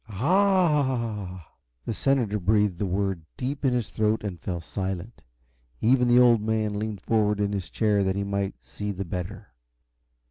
"A h h!" The senator breathed the word deep in his throat and fell silent. Even the Old Man leaned forward in his chair that he might see the better.